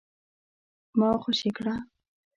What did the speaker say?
ما خوشي کړه ؟